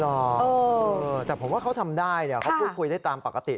หรอแต่ผมว่าเขาทำได้เนี่ยเขาพูดคุยได้ตามปกติ